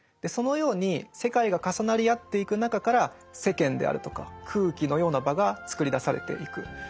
そのように世界が重なりあっていく中から世間であるとか空気のような場が作り出されていく。